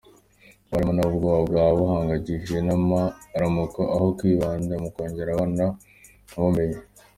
Abarimu nabo ubwabo baba bahangayikishijwe n’amaramuko aho kwibanda mu kwongerera abana ubumenyi.